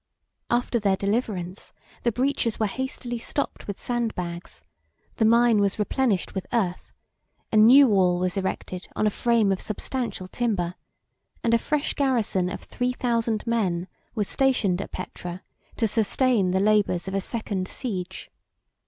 After their deliverance, the breaches were hastily stopped with sand bags; the mine was replenished with earth; a new wall was erected on a frame of substantial timber; and a fresh garrison of three thousand men was stationed at Petra to sustain the labors of a second siege.